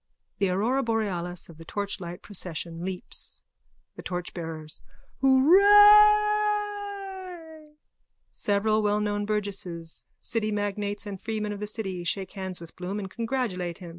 (The aurora borealis of the torchlight procession leaps.) THE TORCHBEARERS: Hooray! _(Several wellknown burgesses, city magnates and freemen of the city shake hands with Bloom and congratulate him.